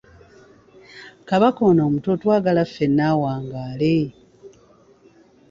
Kabaka ono omuto twagala ffenna awangaale.